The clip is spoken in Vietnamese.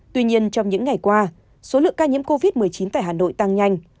tuy nhiên trong những ngày qua số lượng ca nhiễm covid một mươi chín tại hà nội tăng nhanh